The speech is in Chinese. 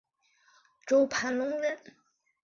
周盘龙人。